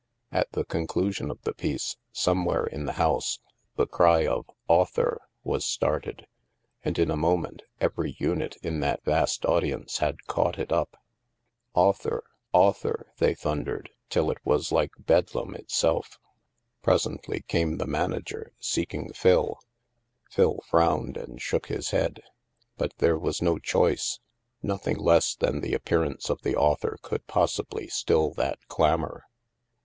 At. the con clusion of the piece, somewhere in the house, the cry of "Author" was started; and in a moment, every unit in that vast audience had caught it up. (S 312 THE MASK "Author I Author!" they thundered, till it was like Bedlam itself. Presently came the manager, seeking Phil. Phil frowned and shook his head. But there was no choice; nothing less than the appearance of the " author " could possibly still that clamor.